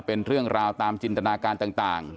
เป็นเรื่องราวตามจินตนาการต่าง